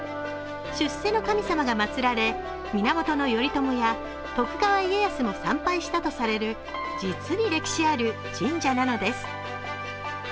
出世の神様が祭られ、源頼朝や徳川家康も参拝したとされる実に歴史ある神社なのです。